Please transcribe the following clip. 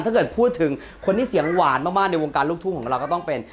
ถ้าเกิดพูดถึงคนที่เสียงหวานมากในวงการลูกทุ่งของเราก็ต้องเป็น